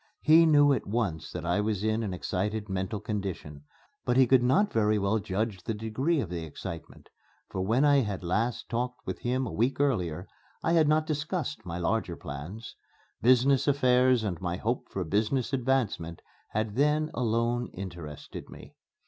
He knew at once that I was in an excited mental condition. But he could not very well judge the degree of the excitement; for when I had last talked with him a week earlier, I had not discussed my larger plans. Business affairs and my hope for business advancement had then alone interested me.